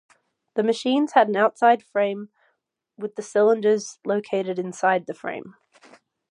The machines had an outside frame with the cylinders located inside the frame.